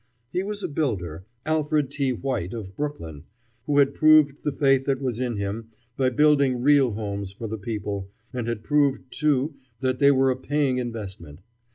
He was a builder, Alfred T. White of Brooklyn, who had proved the faith that was in him by building real homes for the people, and had proved, too, that they were a paying investment.